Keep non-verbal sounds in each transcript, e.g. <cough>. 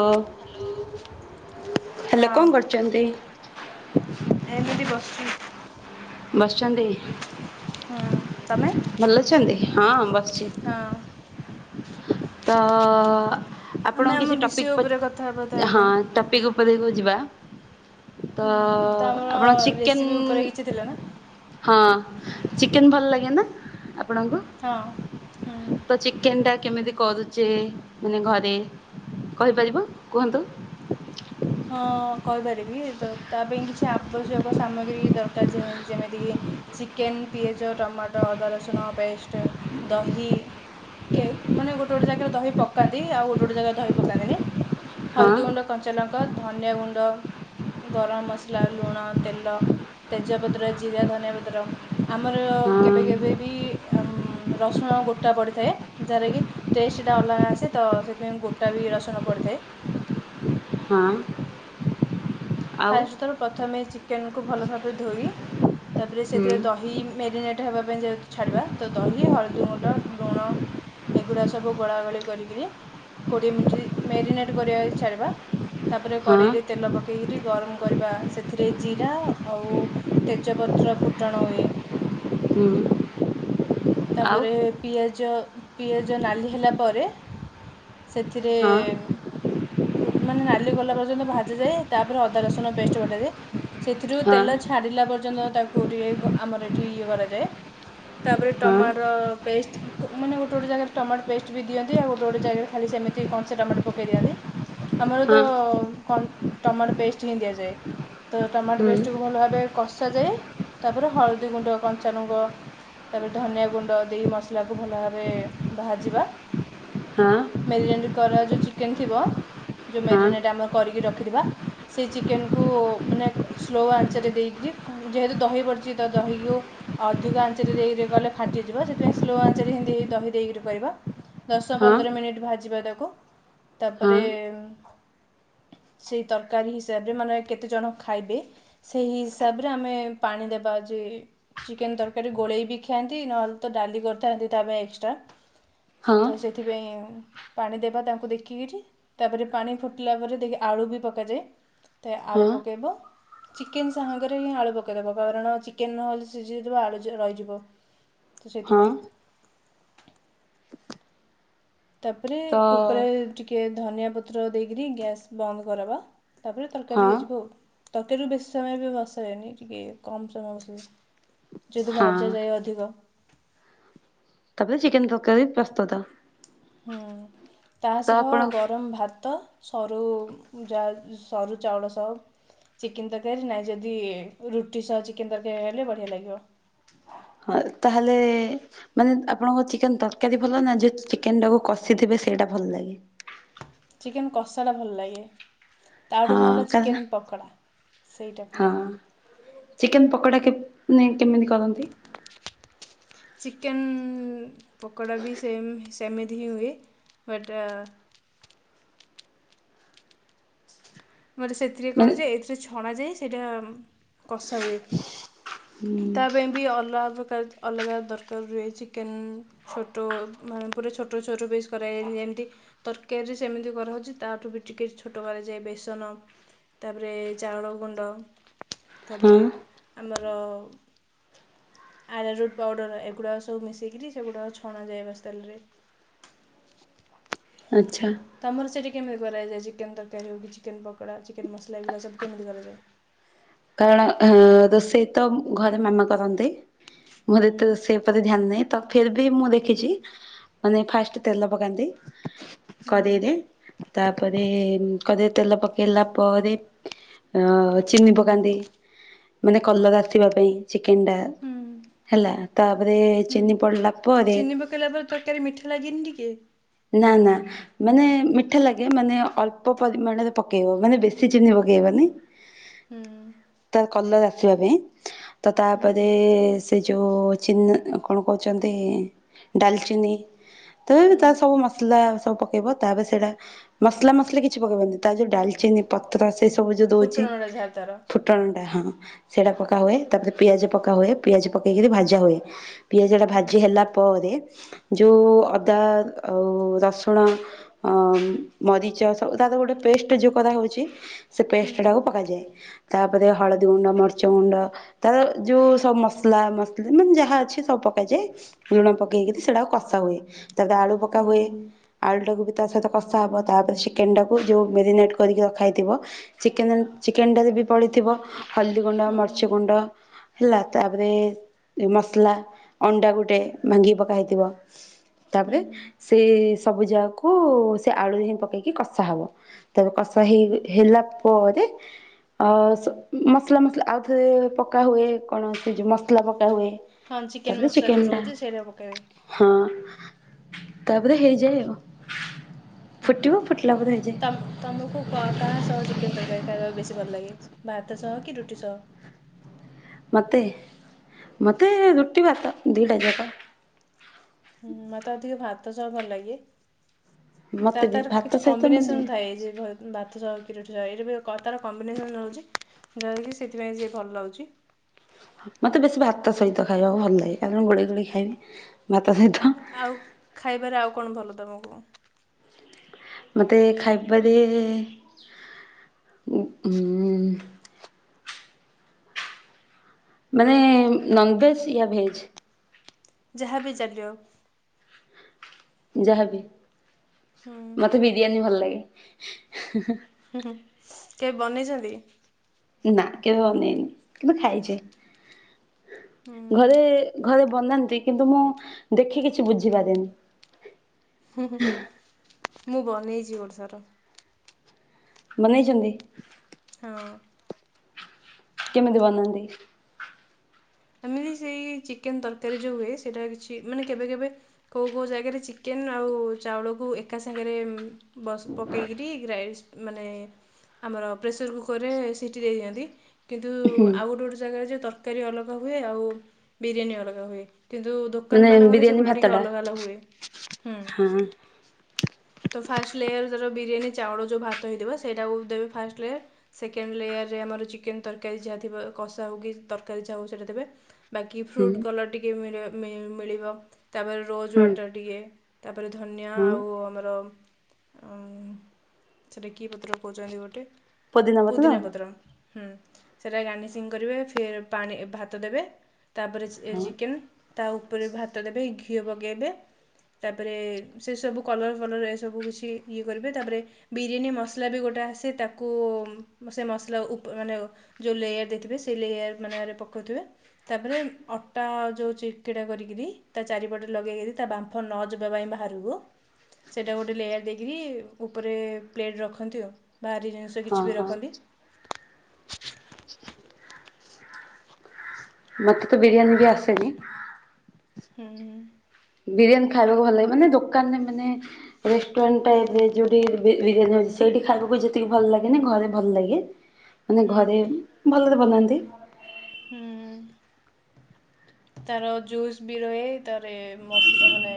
ଲୋ hello ହଁ କଣ କରୁଚନ୍ତି। ଏମିତି ବସିଛି। ବସିଚନ୍ତି। ହୁଁ ତମେ? ଭଲ ଅଛନ୍ତି ହଁ ବସିଛି। ହଁ ତ ଆମେ ଆପଣଙ୍କ ଆମ କିଛି ଟପିକ ବିଷୟ ଉପରେ କଥା ହେବା ତାହେଲେ। ହଁ ଟପିକ ଉପରେ ଯିବା ତ ହୁଁ ତ ଆମର ଆପଣ ଚିକେନ ରେସିପି ଉପରେ କିଛି ଥିଲା ନା? ହଁ ଚିକେନ ଭଲ ଲାଗେ ନା? ଆପଣଙ୍କୁ ହଁ। ହୁଁ। ତ ଚିକେନ ଟା? କେମିତି? କରୁଛେ ମାନେ ଘରେ କହିପାରିବ କୁହନ୍ତୁ। ହଁ କହିପାରିବି ତ ତା ପାଇଁ କିଛି ଆବଶ୍ୟକ ସାମଗ୍ରୀ ଦରକାର ଯେ ଯେମିତିକି ଚିକେନ ପିଆଜ ଟମାଟୋ ଅଦା ରସୁଣ ପେଷ୍ଟ ଦହି ମାନେ ଗୋଟେ ଗୋଟେ ଜାଗାରେ ଦହି ପକାନ୍ତି ଆଉ ଗୋଟେ ଗୋଟେ ଜାଗାରେ ଦହି ପକାନ୍ତିନି। ହଁ ହଲଦୀ ଗୁଣ୍ଡ କ ତେଲ ଧନିଆ ଗୁଣ୍ଡ ଗରମ ମସଲା ଲୁଣ ତେଲ ତେଜପତ୍ର ଜିରା ଧନିଆ ପତ୍ର ଆମର ହଁ କେବେ କେବେ ବି ରସୁଣ ଗୋଟା ପଡ଼ିଥାଏ ଯାହାରକି ଟେଷ୍ଟଟା ଅଲଗା ଆସେ ତ ସେଥିପାଇଁ ଗୋଟା ବି ରସୁଣ ପଡ଼ିଥାଏ। ହଁ ଆଉ ଫାଷ୍ଟଥର ପ୍ର ପ୍ରଥମେ ଚିକେନକୁ ଭଲ ଭାବରେ ଧୋଇ ତାପରେ ହୁଁ ସେଥିରେ ଦହି ମ୍ୟାରିନେଟ୍ ହେବା ପାଇଁ ଯେହେତୁ ଛାଡ଼ିବା ତ ଦହି ହଳଦୀ ଗୁଣ୍ଡ ଲୁଣ ଏଗୁଡ଼ା ସବୁ ଗୋଳାଗୋଳି କରିକିରି କୋଡ଼ିଏ ମିନିଟ୍ ମ୍ୟାରିନେଟ୍ କରିବା ଛାଡ଼ିବା ତାପରେ ହଁ କଡ଼େଇରେ ତେଲ ପକେଇ। ଗରମ କରିବା ସେଥିରେ ଜିରା ଆଉ ତେଜପତ୍ର ଫୁଟଣ ହୁଏ। ହୁଁ ଆଉ ତାପରେ ପିଆଜ। ପିଆଜ ପିଆଜ ନାଲି ହେଲା ପରେ ସେଥିରେ ହଁ ମାନେ ନାଲି କଲା ପର୍ଯ୍ୟନ୍ତ ଭାଜଯାଏ ତାପରେ ଅଦା ରସୁଣ ପେଷ୍ଟ ବଟାଯାଏ। ସେଥିରୁ ହଁ ତେଲ ଛାଡ଼ିଲା ବର୍। ପଯ୍ୟନ୍ତ ତାକୁ ରି ଆମର ଏଠି ଇଏ କରାଯାଏ ତାପରେ। ହଁ ଟମାଟୋ ପେଷ୍ଟ ମାନେ ଗୋଟେ ଗୋଟେ ଜାଗାରେ ଟମାଟୋ ପେଷ୍ଟ ବି ଦିଅନ୍ତି ଆଉ ଗୋଟେ ଗୋଟେ ଜାଗାରେ ଖାଲି ସେମିତି କଞ୍ଚା ଟମାଟୋ ପକାଇ ଦିଅନ୍ତି। ଆମର ତ। ହଁ କ ଟମାଟ ପେଷ୍ଟ ହିଁ ଦିଆଯାଏ। ତ ଟମାଟୋ ହୁଁ ପେଷ୍ଟକୁ ଭଲ ଭାବେ। କସାଯାଏ ତାପରେ ହଳଦୀଗୁଣ୍ଡ କଞ୍ଚନୁଙ୍ଗ ତାପରେ। ଧନିଆ ଗୁଣ୍ଡ ଦେଇ ମସଲାକୁ ଭଲ ଭାବରେ ଭାଜିବା ହଁ ମ୍ୟାରିନେଟ୍ କର ଯେଉଁ ଚିକେନ୍ ଥିବ ଯେଉଁ ହଁ ମ୍ୟାରିନେଟ୍ ଆମର କରିକି ରଖିଥିବା ସେଇ ଚିକେନ କୁ ମାନେ ସ୍ଲୋ ଆଞ୍ଚରେ ଦେଇକିରି ଯେହେତୁ ଦହି ପଡ଼ିଛି ତ ଦହିକୁ ଅଧିକ ଆଞ୍ଚରେ ଦେଇକ ଗଲେ। ଫାଟିଯିବ ସେଥିପାଇଁ ସ୍ଲୋ ଆଞ୍ଚରେ ହ ଦହି ଦେଇକ କରିବା ଦଶ ହଁ ପନ୍ଦର ମିନିଟ ଭାଜିବା ତାକୁ ତାପରେ ସେଇ ତରକାରୀ ହିସାବରେ ମାନେ କେତେଜଣ ଖାଇବେ ସେହି ହିସାବରେ ଆମେ ପାଣି ଦେବା ଯେ ଚିକେନ ତରକାରୀ ଗୋଳେଇ ବି ଖାଆନ୍ତି। ନହେଲେ ତ ଡାଲି କରିଥାନ୍ତି ତା ପାଇଁ ଏକ୍ସଟ୍ରା। ହଁ ତ ସେଥିପାଇଁ। ପାଣି ଦେବା ତାଙ୍କୁ ଦେଖିକିରି ତାପରେ ପାଣି ଫୁଟିଲା ପରେ ଆଳୁ ବି ପକାଯାଏ। ତେ ଆଳୁ ହଁ ପକେଇବ। ଚିକେନ ସାଙ୍ଗରେ ହିଁ ଆଳୁ ପକାଇଦେବ କାରଣ ଚିକେନ ନହେଲେ ସିଝିଇଥିବ ଆଳୁ ରହିଯିବ। ତ ହଁ ସେଥିପାଇଁ। ତାପରେ ତ ଉପରେ ଟିକେ ଧନିଆ ପ ପତ୍ର ଦେଇକରି ଗ୍ୟାସ ବନ୍ଦ କରିବ। ତାପରେ ତରକାରୀ ହେଇଯିବ ଆଉ। ତରକାରୀ କୁ ବେଶୀ ସମୟ ବି ବସାନି ଟିକେ କମ ସମୟ ବସ। ଯଦି ଭଜାାଯାଏ ଅଧିକ। <unintelligible> ହୁଁ ତା ତ ସହ ଆପଣ ଗରମ ଭାତ। ସରୁ ଯହା ସରୁ ଚାଉଳ ସହ ଚିକେନ ତରକାରୀ ନାହିଁ ଯଦି ରୁଟି ସହ ଚିକେନ ତରକାରୀ ହେଲେ ବଢିଆ ଲାଗିବ। ହଁ ତାହେଲେ ମାନେ ଆପଣଙ୍କ ଚିକେନ ତରକାରୀ ଭଲ ନା ଯେହେତୁ ଚିକେନ ଟାକୁ କଷିଥିବେ ସେଇଟା ଭଲ ଲାଗେ। ଚିକେନ କଷା ଟା ଭଲ ଲାଗେ। ହଁ ତାଠୁ ଭଲ କାରଣ ଚିକେନ ପକୋଡା। ହଁ ଚିକେନ ପକୋଡା କେ। ନାଇଁ କେମିତି କରନ୍ତି। ଚିକେନ୍ ପକୋଡ଼ା ବି ସେମ୍ ସେମିତି ହିଁ ହୁଏ ବଟ୍। ମାନେ ସେଥିରେ ମାନେ କଣ ଯେ ଏଥିରେ ଛଣା ଯାଏ। ସେଇଟା କସା ହୁଏ। ହୁଁ, ତା ପାଇଁ ବି ଅଲଗା। ରକାର ଅଲଗା ଦରକାର ରୁହେ ଚିକେନ୍ ଛୋଟ ମାନେ ପୁରା ଛୋଟ ଛୋଟ ବେସ୍ କରାଯାଏ ଯେମିତି ତରକାରୀ ସେମିତି କରାହେଛି ତାଠୁ ବି ଟିକିଏ ଛୋଟ କରାଯାଏ ବେସ୍। ନ ତାପରେ ଚାଉଳ ଗୁଣ୍ଡ ହଁ ତାପରେ ଆମର ଆରାରୁଟ୍ ପାଉଡ଼ର ଏଗୁଡ଼ାକ ସବୁ ମିଶେଇକରି ସେଗୁଡ଼ାକ ଛଣାାଯାଇଏବା ତେଲରେ। ଆଚ୍ଛା ତମର ସେଠୀ କେମିତି। କରାଯାଏ ଚିକେନ ତରକାରୀ ହଉ ଚିକେନ ପକୋଡ଼ା ଚିକେନ ମସଲା ଏଗୁଡ଼ା ସବୁ କେମିତି କରାଯାଏ। କାରଣ ରୋଷେଇ ତ ଘରେ ମାମା କରନ୍ତି। ମୋତ ହୁଁ ତ ସେପରେ ଧ୍ୟାନ ନାହିଁ ତ ଫେର ବି ମୁଁ ଦେଖିଛି। ମାନେ ଫାଷ୍ଟ ତେଲ ପକାନ୍ତି ହୁଁ କରେଇ ରେ ତାପରେ କରେଇ ରେ ତେଲ ପକେଇଲା ପରେ ଅ ଚିନି ପକ ଲଗାନ୍ତି ମାନେ କଲର ଆସିବା ପାଇଁ। ଚିକନଟା ହୁଁ ହେଲା ତାପରେ ହୁଁ ଚିିନି ପଡ଼ିଲା ପରେ। ଚିନି ପକେଇଲା ପରେ ତରକାରୀ ମିଠା ଲାଗେନି ଟିକେ? ନା ନା ମାନେ ମିଠା ଲାଗେ ମାନେ ଅଳ୍ପ ପରିମାଣରେ ପକେଇବ ମାନେ ବେଶୀ ଚିନି ପକେଇବନି। ହୁଁ ତାର କଲର ଆସିବା ପାଇଁ। ତ ହୁଁ ତାପରେ ସେ ତ ସେ ଯେଉ ଚିନି କଣ କହୁଛନ୍ତି ଡାଲଚିନି ତବେ ବି ହୁଁ ତା ସବୁ ମସଲା ପକେଇବ ତାପରେ ସେଇଟା ମସଲା ମସଲା କିଛି ପକେଇବନି ତା ଯୋଉ ଡାଲଚିନି ପ ରଥଟ <inaudible> ସେ ସବୁ ଆଉ ଯୋଉ ଦଉଛି। ଫୁଟଣଟା ଯାହା ତାର ଫୁଟଣଟା ହଁ ସେଇଟା ପକା ହୁଏ ତାପରେ ପିଆଜ ପକା ହୁଏ ପିଆଜ ପକେଇକିରି ଭାଜା ହୁଏ। ପିଆଜଟା ହୁଁ ଭାଜି ହେଲା ପରେ ଯୋଉ ଅଦା ଆଉ ରସୁଣ ଅ ମରିଚ ସବୁ ତାର ଗୋଟେ ପେଷ୍ଟ ଯୋଉ କା ହଉଛି ସେ ହୁଁ ପେଷ୍ଟ ଟାକୁ ପକାଯାଏ। ତାପରେ ହଳଦୀ ଗୁଣ୍ଡ ମରିଚ ଗୁଣ୍ଡ ତାର ଯୋଉ ସବୁ ମସଲା ମସଲି ମାନେ ଯାହା ଅଛି ସବୁ ପକାଯାଏ ଲୁଣ ପକେଇକି ସେଇଟା କଷା ହୁଏ। ତାପରେ ଆଳୁ ପକା ହୁଁ ହୁଏ ଆଳୁଟାକୁ ତା ସହିତ କଷା ହେବ ତାପରେ ଚିକେନ୍ଟାକୁ ଯେଉଁ ମ୍ୟାରିନେଟ୍ କରିକି ରଖା ହୋଇଥିବ ଚିକେନ ଚିକେନଟାରେ ବି ତା ପଡିଥିବ ହଲଦୀ ଗୁଣ୍ଡ ହୁଁ ମରିଚ ଗୁଣ୍ଡ ହେଲା ତାପରେ ମସଲା ଅଣ୍ଡା ଗୋଟେ ଭାଙ୍ଗିକି ପକା ହେଇଥିବ। ତାପରେ ହୁଁ ସେ ସବୁ ଜାଗକୁ ତାକୁ ସେ ଆଳୁ ହି ପକେଇକି କଷା ହବ ତାକ ତ ହେ ହୁଁ ହେଲାପର ଅ ମସଲା ମସଲା ଆଉ ଥରେ ପକା ହୁଏ କଣ ସେଉ ମସଲା ପକା ହୁଏ ହଁ ଚିକେନ୍ ତାପରେ ମସଲା ଯେଉଁ ଚିକେନ ରହୁଛି ସେଇଟା ପକାଇବେ ଟା ହଁ ତାପରେ ହେଇଯାଏ। ଫୁଟିବ ଫୁଟିଲା ପରେ ହେଇଯାଏ ହୁଁ ତମକୁ କାହା ସହ ଚିକେନ ତରକାରୀ ଖାଇବାକୁ ବେଶୀ ଭଲ ଲାଗେ। ଭାତ ସହ କି ରୁଟି ସହ ମତେ ମତେ ରୁଟି ଭାତ ଦିଇଟା ଜାକ ହୁଁ ମତେ ଅଧିକ ଭାତ ତେ ସବ ଭଲ ଲାଗେ। ମତେ ତାର ବି ତାର ଭାତ କିଛି ସହିତ ମାନେ କମ୍ବିନେସନ ଥାଏ ଯେ ଘରେ ଭାତ କିର ଏ କାର ତାର କମ୍ବିନେସନ ରହୁଛି ଯାହାକି ସେଥିପାଇଁ ସେ ଭଲ ଲାଗୁଚି। ମତେ ବେଶୀ ଭାତ ସହିତ ଖାଇବାକୁ ଭଲ ଲାଗେ କାରଣ ଗୋଳେଇ ଗୋଳେଇ ଖାଇବି ଭାତ ସହିତ। ଆଉ ଖାଇବାରେ ଆଉ କଣ ଭଲ ତମକୁ। ମତେ ଖାଇବା ରେ ଉ ମାନେ ନନଭେଜ୍ ୟା ଭେଜ୍ ଯାହା ବି ଚାଲିବ। ଯାହାବି। ହୁଁ ମତେ ବିରିୟାନୀ ଭଲ ଲାଗେ। ହଁ ହଁ ହଁ ହୁଁ ହୁଁ କେହି ବନେଇଚନ୍ତି। ନା କେବେ ବନେଇନି କିନ୍ତୁ ଖାଇଚି। ହୁଁ ଘରେ ଘରେ ବନାନ୍ତି କିନ୍ତୁ ମୁଁ ଦେଖି କିଛି ବୁଝିପାରେନି। ହୁଁ ହୁଁ ମୁଁ ବନେଇଚି ଗୋ କର। ବନେଇଛନ୍ତି। ହଁ। କେମିତି ବନାନ୍ତି। ଆମେବି ସେଇ ଚିକେନ ତରକାରୀ ଯୋଉ ହୁଏ ସେଟା କିଛି ମାନେ କେବେ କେବେ କୋଉ କୋଉ ଜାଗାରେ ଚିକେନ ଆଉ ଚାଉଳକୁ ଏକା ସାଙ୍ଗରେ ବସ ପକେଇକରି ଗ୍ରାଇସ୍ ମାନେ ଆମର ପ୍ରେସର କୁକର୍ ରେ ସେିଠି ଦେଇ ଦିଅନ୍ତି। କିନ୍ତୁ ହୁଁ ଆଉ ଗୋଟେ ଗୋଟେ ଜାଗାରେ ଯେ ତର କରିବ ଅଲଗ ଆଗ ହୁଏ ଆଉ ବିରିୟାନୀ ଅଲଗା ହୁଏ। କିନ୍ତୁ ଦୋକାନ ମାନେ ମାନଙ୍କରେ ବିରିୟାନୀ ସେଗୁଡା ଟିକେ ଭାତଟା ଅଲଗା ଅଲଗା ହୁଏ ହୁଁ ହଁ ହୁଁ ତ ଫାଷ୍ଟ ଲେ ବିରିୟାନୀ ଚାଉଳ ଯୋଉ ଭାତ ହେଇଥିବ ସେଇଟାକୁ ଦେବେ ଫାଷ୍ଟ ଲେୟାର ସେକେଣ୍ଡ ଲେୟାର ରେ ଆମର ଚିକେନ ତରକାରୀ ଯାହା ଥିବ କଷା ହଉ କି ତରକାରୀ ସେଟା ଦେବେ ବାକି ଫ୍ରୁଟ୍ କଲର ଟିକେ ମିଳି ମି ମିଳିବ ତାପରେ ରୋଜ ହୁଁ ୱାଟର ଟିକେ ତାପରେ ଧନିଆ ହଁ ଆଉ ଆମର ଉ ସେଟା କିଏ ପତ୍ର କହୁଛନ୍ତି ଗୋଟେ ପୋଦିନା ପତ୍ର ହୁଁ ସେଟା ଗାର୍ନିସିଂ କରିବେ ଫ ପାଣି ଭ ଦେବେ ତାପରେ ହଁ ଚିକେନ୍ ତା ଉପରେ ଭାତ ଦେବେ ଘିଅ ପଗାଇବେ ତାପରେ ସେସବୁ କଲର୍ ଫଲର ଏସବୁ କିଛି ଇଏ କରିବେ ତାପରେ ବିରିୟାନୀ ମସଲା ବି ଗୋଟେ ଆସେ ତାକୁ ସେ ମସଲା ମାନେ ଯେଉଁ ଲେୟାର ଦେଇଥିବେ ସେ ଲେୟାର ମାନେ ରଖେ ତାପରେ ଅଟା ଯେଉ ଚକିଟା କରିକରି ତା ଚାରିପଟେ ଲଗେଇକରି ତା ବାମ୍ଫ ନ ଯିବା ପାଇଁ ବାହହାରିବ ସେଇଟା ଗୋଟେ ଲେୟାର ଦେଇକରି ଉପରେ ପ୍ଲେଟ୍ ରଖନ୍ତି ଆଉ। ବାହାରି ଜିନିଷ ହଁ କିଛି ବି ହଁ ରଖନ୍ତି। ମତେ ତ ବିରିୟାନୀ ବି ଆସେନି। ହୁଁ ହୁଁ। ବିରିୟାନୀ ଖାଇବାକୁ ଭଲ ଲାଗେ ମାନ ମାନେ ରେସଟୁରାଣ୍ଟ ଟାଇପ୍ ଯୋଉଠି ବିରିୟାନ ଅଛି। ସେଇଠି ଖାଇବାକୁ ଯେତିକି ଭଲ ଲାଗେନ ଘରେ ଭଲ ଲାଗେ ମାନେ ହୁଁ ଘରେ ଭଲ ବଲନ୍ତି ହୁଁ ତାର ଜୁସ୍ ବି ରହେ ତାର ମସଲା ମାନେ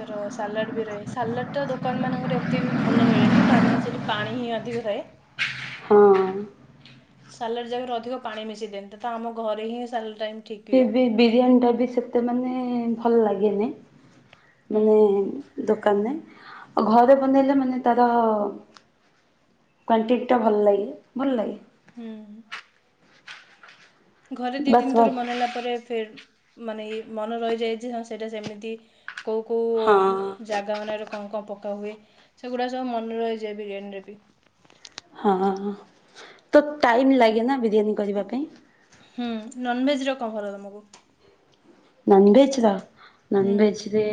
ତାର ସାଲାଡ ବି ରହେ ସାଲାଡ ଟା ଦୋକାନ ମାନଙ୍କରେ ଏତେ ବି ଭଲ ମିଳେନି କାରଣ ସେଠି ପାଣି ହିଁ ଅଧିକ ଥାଏ। ହଁ। ସାଲାଡ ଜାଗରେ ଅଧିକ ପାଣି ମିସେଇ ଦିଅନ୍ତୀ ତ ଆମ ଘରେ ହିଁ ଟାଇମ୍ ଠିକ୍ ହୁଏ। ଫିର୍ ବି ବିରିୟାନୀ ଟା ବି ସେ ତେ ମାନେ ଭଲ ଲାଗେନି ହୁଁ ମାନେ ଦୋକାନରେ ଆଉ ଘରେ ବନେଇଲେ ମାନେ ତାର କ୍ଵଣ୍ଟିଟି ଟା ଭଲ ଲାଗେ ଭଲ ଲାଗେ। ହୁଁ। ଘରେ ଦି ବାସ୍ ଦିନ ଭଲ ଥର ମନେଇଲା ପରେ ସେ ମାନେଇ ମନ ରହିଯାଇଛି ସେଇଟା ସେମିତି କେଉଁ କେଉଁ ହଁ ଜାଗା ମାନର କଣ କଣ ପକା ହୁଏ ସେଗୁଡ଼ା ସବୁ ମନେ ରହିଯାଏ ବିରିୟାନୀରେ ବି ହଁଁ ହ ତ ଟାଇମ ଲାଗେ ନା ବିରିୟାନୀ କରିବା ପାଇଁ। ହୁଁ ନନଭେଜ ର କଣ ଭଲ ତମକୁ? ନନଭେଜ ର ହୁଁ ନନ୍ଭେଜ ରେ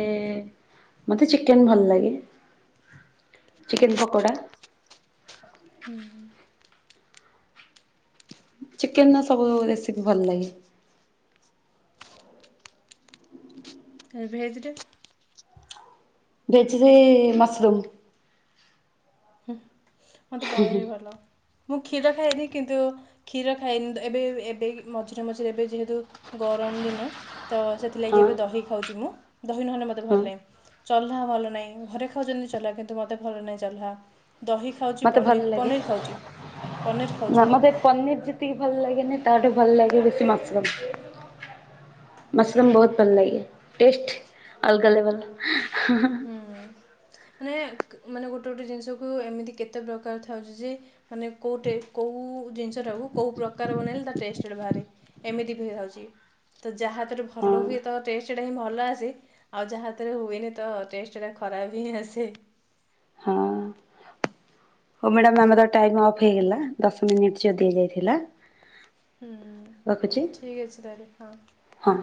ମତେ ଚିକେନ ଭଲ ଲାଗେ ଚିକେନ ପକୋଡା ହୁଁ ହୁଁ। ଚିକେନ ର ସବୁ ରେସିପି ଭଲ ଲାଗେ। ଭେଜ ରେ ବେଚରେ ମଶରୁମ- ହୁଁ ମଁ ତେ ପାନ ଭରଲ- ମୁଁ କ୍ଷୀର ଖାଇନି କିନ୍ତୁ କ୍ଷୀର ଖାଇନି ଏବେ ଏବେ ମଝିରେ ମଝିରେ ଏବେ ଯେହେତୁ ଗରମ ଦିନ ତ ହଁ ସେଥିଲାଗି ଏବେ ଦହି ଖାଉଛି ମୁଁ ଦହି ନହେଲେ ମୋତେ ଭଲ ହଁ ନାହିଁ ଚଲା ଭଲ ନାହିଁ ଘରେ ଖାଉଛନ୍ତି ଚ କିନ୍ତୁ ତୁ ମତେ ଭଲ ନାଇଁ ଚାଲ୍ ମତେ ଭଲ ଲାଗେ ପନିର ନା ଖାଉଛି ମୁଁ ମତେ ପନିର ଯେତିକି ଭଲ ଲାଗେନି ତାଠ ଭଲ ଲାଗେ ବେଶୀ, ମସୃମ, ମସୃମ ବହୁତ ଭଲ ଲାଗେ ଟେଷ୍ଟ ଅଲଗା ଲେବେଲ ହ ହୁଁ ମାନେ ମାନେ ଗୋଟେ ଗୋଟେ ଜିନିଷକୁ ଏମିତି କେତେ ପ୍ରକାର ଥାଉଛି ଯେ ମାନେ କେଉଁଟ କେଉଁ ଜିନିଷଟାକୁ କେଉଁ ପ୍ରକାର ବନେଇଲେ ତା ଟେଷ୍ଟଟଟା ବାହାରେ ଏମିତି ବିଥାଉଛି ତ ଯାହାତଥିହରେ ହଁ ଭଲ ହୁଏ ତ ଟେଷ୍ଟଟା ହିଁ ଭଲ ଆସେ। ଆଉ ଯାହାତ ରେ ହୁଏନି ତ ଷ୍ଟା ଖରାପ ହିଁ ଆସେ ହଁ। ହଉ ମ୍ୟାଡ଼ାମ ଆମର ଟାଇମ୍ ଅଫ ହେଇଗଲା। ଦଶମିନ୍ଟ ଦିଆଯାଇଥିଲା। ହୁଁ ରଖୁଛି ଠିକ ଅଛି ତାହେଲେ ହଁ ହଁ।